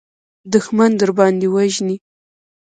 دښمن درباندې وژني.